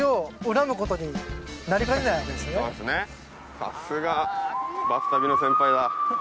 さすがバス旅の先輩だ。